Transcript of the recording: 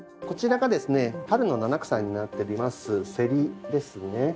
こちらがですね春の七草になっておりますセリですね。